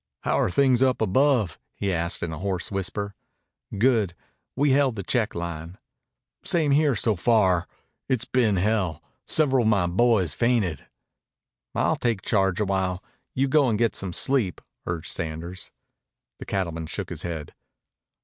"How are things up above?" he asked in a hoarse whisper. "Good. We held the check line." "Same here so far. It's been hell. Several of my boys fainted." "I'll take charge awhile. You go and get some sleep," urged Sanders. The cattleman shook his head.